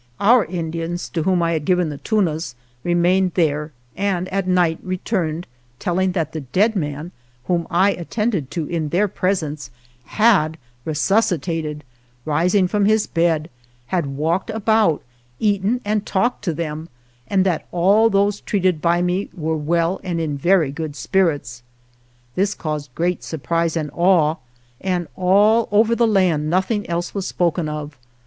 Our Indians to whom I had given the tunas remained there, and at night re turned telling, that the dead man whom I attended to in their presence had resus citated, rising from his bed, had walked about, eaten and talked to them, and that all those treated by me were well and in very good spirits. This caused great sur prise and awe, and all over the land noth ing else was spoken of.